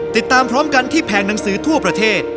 ติดตามพร้อมกันที่แผงหนังสือทั่วประเทศ